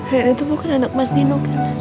rene temukan anak mas nino